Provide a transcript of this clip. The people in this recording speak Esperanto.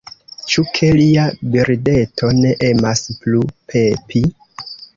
Ĉu, ke lia birdeto ne emas plu pepi?